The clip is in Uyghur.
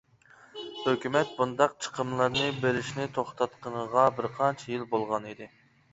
ھۆكۈمەت بۇنداق چىقىملارنى بېرىشنى توختاتقىنىغا بىرقانچە يىل بولغانىدى.